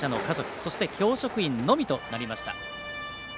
そして教職員のみとなりました。